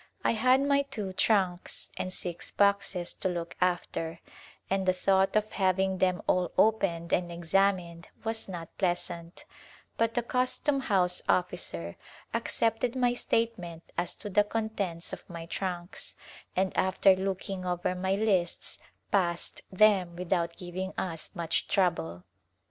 I had my two trunks and six boxes to look after and the thought of having them all opened and examined was not pleasant, but the custom house officer accepted my statement as to the contents of my trunks, and after looking over my lists passed them without giving us much trouble.